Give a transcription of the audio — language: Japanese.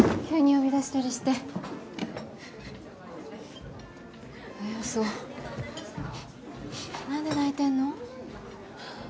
急に呼び出したりしてえっ嘘何で泣いてんの？